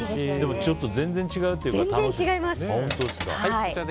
でも、ちょっと全然違うっていうから楽しみ。